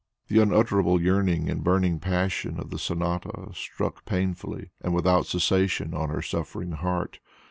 The unutterable yearning and burning passion of the sonata struck painfully and without cessation on her suffering heart.